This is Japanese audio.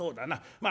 まあ